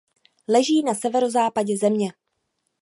Leží na severozápadě země.